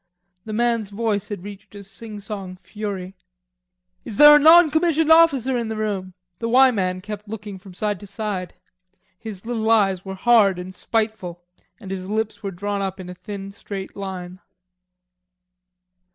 The man's voice had reached a sing song fury. "Is there a non commissioned officer in the room?" The "Y" man kept looking from side to side. His little eyes were hard and spiteful and his lips were drawn up in a thin straight line.